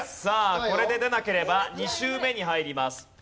さあこれで出なければ２周目に入ります。